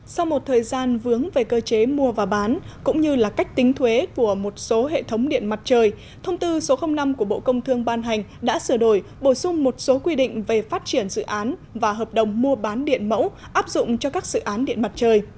sau một thời gian vướng về cơ chế mua và bán cũng như là cách tính thuế của một số hệ thống điện mặt trời thông tư số năm của bộ công thương ban hành đã sửa đổi bổ sung một số quy định về phát triển dự án và hợp đồng mua bán điện mẫu áp dụng cho các dự án điện mặt trời